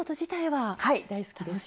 はい大好きです。